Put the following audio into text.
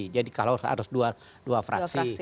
jadi kalau harus dua fraksi